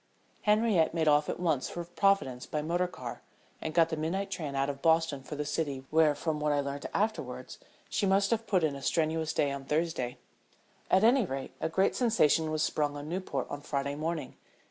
Henriette made off at once for Providence by motor car, and got the midnight train out of Boston for the city where, from what I learned afterwards, she must have put in a strenuous day on Thursday. At any rate, a great sensation was sprung on Newport on Friday morning.